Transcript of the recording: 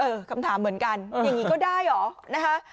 คำถามเหมือนกันอย่างนี้ก็ได้เหรอนะคะ